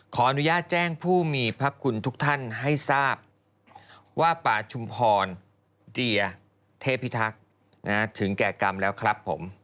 ขออนุญาตแจ้งผู้มีพระคุณทุกท่านให้ทราบว่าป่าชุมพรเจียเทพิทักษ์ถึงแก่กรรมแล้วครับผม